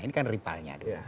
ini kan ripalnya